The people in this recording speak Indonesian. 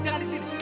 jangan di sini